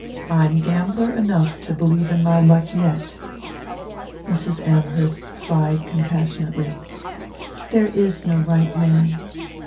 I'm gambler enough to believe in my luck yet!" Mrs. Amherst sighed compassionately. "There is no right man!